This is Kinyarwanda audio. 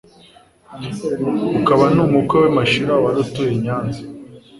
akaba n'umukwe we Mashira wari utuye I Nyanza